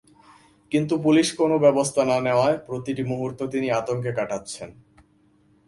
কিন্তু পুলিশ কোনো ব্যবস্থা না নেওয়ায় প্রতিটি মুহূর্ত তিনি আতঙ্কে কাটাচ্ছেন।